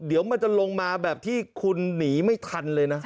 เดี๋ยวมันจะลงมาแบบที่คุณหนีไม่ทันเลยนะ